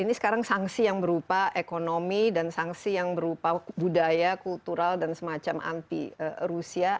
ini sekarang sanksi yang berupa ekonomi dan sanksi yang berupa budaya kultural dan semacam anti rusia